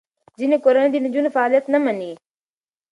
ځینې کورنۍ د نجونو فعالیت نه مني.